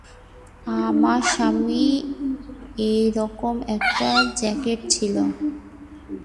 আমার স্বামীর এরকম একটা জ্যাকেট ছিল।